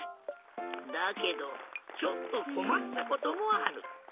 だけどちょっとこまったこともある。